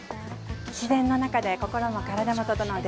自然の中で心も体も整う